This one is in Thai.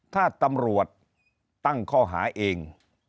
ถ้าตำรวจตั้งข้อหาเอง